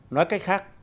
nói cách khác